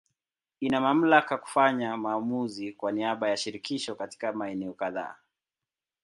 Ina mamlaka ya kufanya maamuzi kwa niaba ya Shirikisho katika maeneo kadhaa.